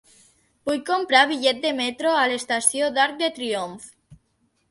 Vull comprar bitllet de metro a l'estació d'Arc de Triomf.